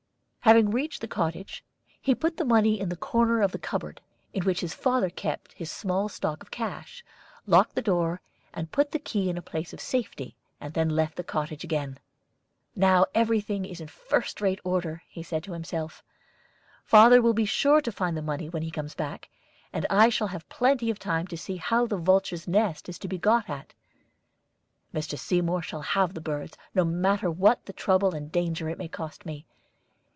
Having reached the cottage, he put the money in a corner of the cupboard in which his father kept his small stock of cash, locked the door, and put the key in a place of safety, and then left the cottage again. "Now everything is in first rate order," said he to himself. "Father will be sure to find the money when he comes back, and I shall have plenty of time to see how the vulture's nest is to be got at. Mr. Seymour shall have the birds, no matter what trouble and danger it may cost me.